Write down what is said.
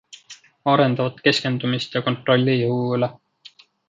Arendavad keskendumist ja kontrolli jõu üle.